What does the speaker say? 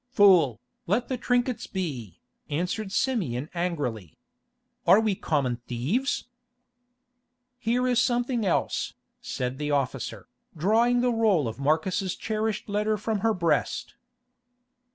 "Fool, let the trinkets be," answered Simeon angrily. "Are we common thieves?" "Here is something else," said the officer, drawing the roll of Marcus's cherished letter from her breast.